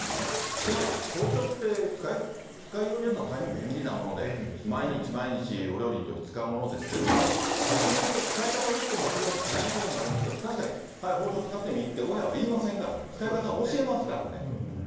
つまり、包丁って、使いようによったら大変便利なもので、毎日毎日、お料理のときに使うものですけれども、逆に言うと使い方を一歩間違うと大変なことになりますよと、確かにはい、包丁使ってみって、親は言いませんからね、使い方教えますからね。